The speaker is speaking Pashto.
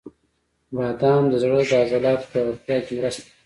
• بادام د زړه د عضلاتو پیاوړتیا کې مرسته کوي.